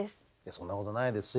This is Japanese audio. そんなことないですよ。